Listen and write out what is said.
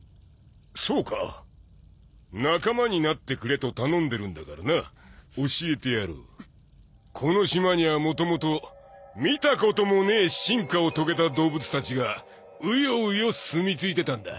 そうか仲間になってくれと頼んでるんだからな教えてやろうこの島にはもともと見たこともねえ進化を遂げた動物たちがウヨウヨ住みついてたんだ